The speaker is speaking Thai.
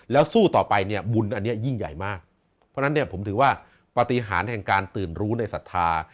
แล้วสู้ต่อไปเนี่ยบุญอันนี้ยิ่งใหญ่มากเพราะฉะนั้นเนี่ยผมถือว่าปฏิหารแห่งการตื่นรู้ในศรัทธา